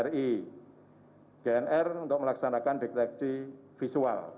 dari kri gnr untuk melaksanakan deteksi visual